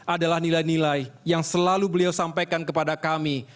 adalah nilai nilai yang selalu beliau sampaikan kepada kami